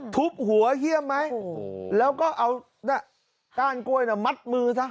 ทุบหัวเยี่ยมไหมแล้วก็เอาก้านกล้วยมัดมือซะ